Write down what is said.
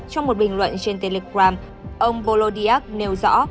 trong một bình luận trên telegram ông bolodiak nêu rõ